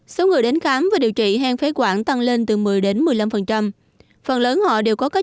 số người đến khám và điều trị hen phế quản tăng lên từ một mươi một mươi năm phần lớn họ đều có các